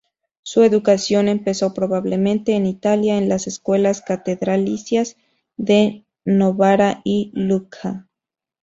Su educación empezó probablemente en Italia, en las escuelas catedralicias de Novara y Lucca.